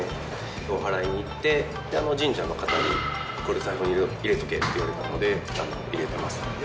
おはらいに行って、神社の方にこれ、財布に入れとけって言われたので、入れてます。